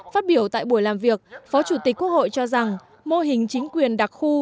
phát biểu tại buổi làm việc phó chủ tịch quốc hội cho rằng mô hình chính quyền đặc khu